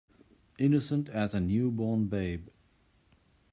Innocent as a new born babe.